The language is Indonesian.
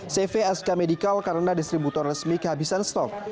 cv ask medical karena distributor resmi kehabisan stok